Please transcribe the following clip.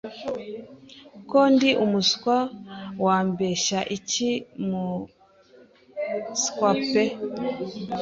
Ko ndi umuswa wambeshya iki mu skwa pe